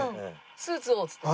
スーツをっつって。